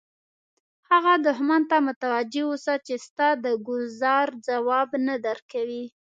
هغه دښمن ته متوجه اوسه چې ستا د ګوزار ځواب نه درکوي.